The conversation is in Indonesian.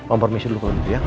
om permisi dulu kalau gitu ya